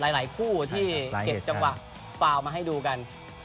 หลายคู่ที่เก็บจังหวะฟาวมาให้ดูกัน